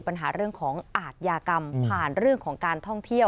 ปัญหาเรื่องของอาทยากรรมผ่านเรื่องของการท่องเที่ยว